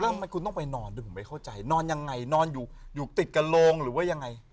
ทำไมคุณต้องไปนอนด้วยผมไม่เข้าใจนอนยังไงนอนอยู่อยู่ติดกับโรงหรือว่ายังไง